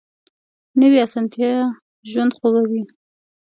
نوې اسانتیا ژوند خوږوي